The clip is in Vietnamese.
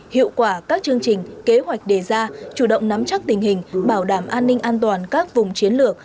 hiệu quả các chương trình kế hoạch đề ra chủ động nắm chắc tình hình bảo đảm an ninh an toàn các vùng chiến lược